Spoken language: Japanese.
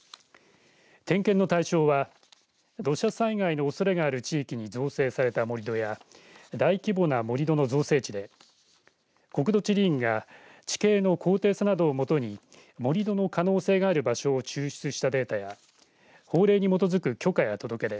点検の対象は土砂災害のおそれがある地域に造成された盛り土や大規模な盛り土の造成地で国土地理院が地形の高低差などをもとに盛り土の可能性がある場所を抽出したデータや法令に基づく許可や届け出